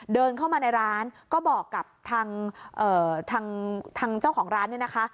เดินเข้ามาในร้านก็บอกกับทางเจ้าของร้านเนี่ยนะคะ